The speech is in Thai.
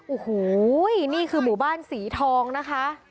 โอ้โหนี่คือหมู่บ้านสีทองนะคะ